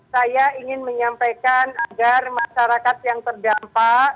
saya ingin menyampaikan agar masyarakat yang terdampak